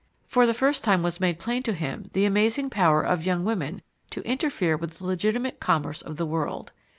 For the first time was made plain to him the amazing power of young women to interfere with the legitimate commerce of the world.